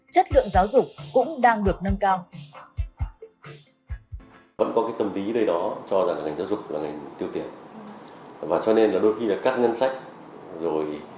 chất lượng giáo dục cũng đang được nâng cao